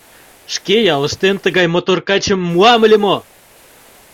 Шке ялыштем тыгай мотор качым муам ыле мо?